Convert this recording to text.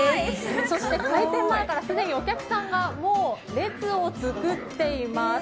そして開店前からすでにお客さんがもう列をつくっています。